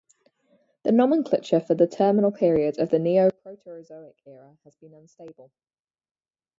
The nomenclature for the terminal Period of the Neoproterozoic Era has been unstable.